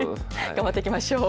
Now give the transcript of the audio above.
頑張っていきましょう。